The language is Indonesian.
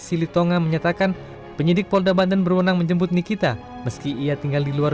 silitonga menyatakan penyidik polda banten berwenang menjemput nikita meski ia tinggal di luar